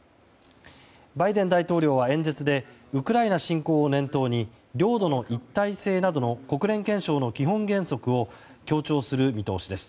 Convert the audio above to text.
バイデン大統領は演説でウクライナ侵攻を念頭に領土の一体性などの国連憲章の基本原則を強調する見通しです。